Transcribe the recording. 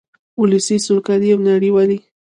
ولسي سوکالۍ او نړیوالې